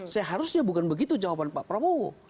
seharusnya bukan begitu jawaban pak prabowo